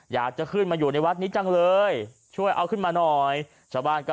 อยากจะขึ้นมาอยู่ในวัดนี้จังเลยช่วยเอาขึ้นมาหน่อยชาวบ้านก็